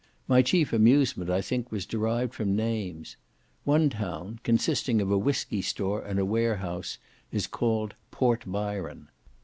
My chief amusement, I think, was derived from names. One town, consisting of a whiskey store and a warehouse, is called Port Byron.